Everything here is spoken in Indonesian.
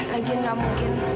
lagian gak mungkin